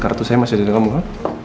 kartu saya masih ada di dalam muka